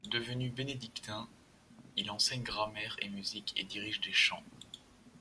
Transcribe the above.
Devenu bénédictin, il enseigne grammaire et musique et dirige les chants.